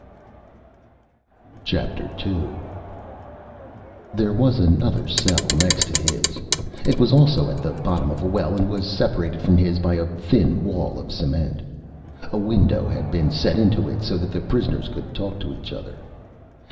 II There was another cell next to his. It was also at the bottom of a well and was separated from his by a thin wall of cement. A window had been set into it so that the prisoners could talk to each other.